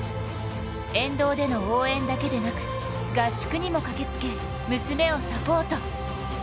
沿道での応援だけでなく、合宿にも駆けつけ、娘をサポート。